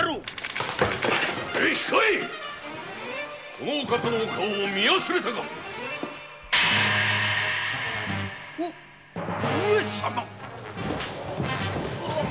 この方のお顔を見忘れたかう上様？